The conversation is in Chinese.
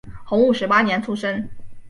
洪武十八年出生。